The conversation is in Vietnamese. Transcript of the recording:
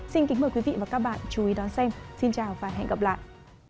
xin kính mời quý vị và các bạn chú ý đón xem xin chào và hẹn gặp lại